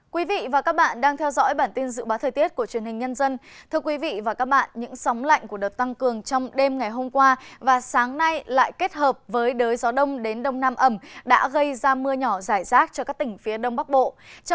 các bạn hãy đăng ký kênh để ủng hộ kênh của chúng mình nhé